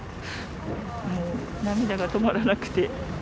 もう涙が止まらなくて。